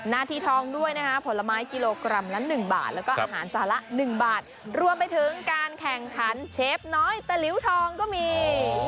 นาทีทองด้วยนะคะผลไม้กิโลกรัมละ๑บาทแล้วก็อาหารจานละ๑บาทรวมไปถึงการแข่งขันเชฟน้อยตะลิ้วทองก็มี